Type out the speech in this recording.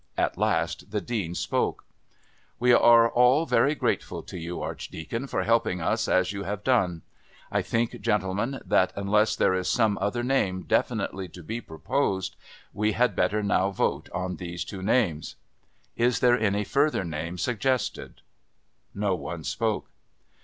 At last the Dean spoke: "We are all very grateful to you, Archdeacon, for helping us as you have done. I think, gentlemen, that unless there is some other name definitely to be proposed we had better now vote on these two names. "Is there any further name suggested?" No one spoke.